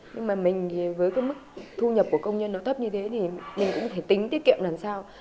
nhưng mà mình với cái mức thu nhập của công nhân nó thấp như thế thì mình cũng có thể tính tiết kiệm làm sao